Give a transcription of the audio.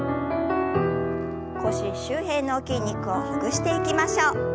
腰周辺の筋肉をほぐしていきましょう。